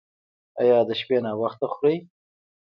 ایا د شپې ناوخته خورئ؟